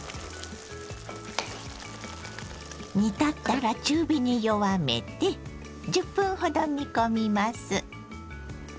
煮立ったら中火に弱めて１０分ほど煮込みます。